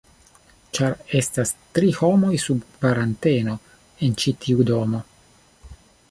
ĉar estas tri homoj sub kvaranteno en ĉi tiu domo